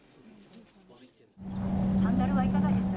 サンダルはいかがでしたか？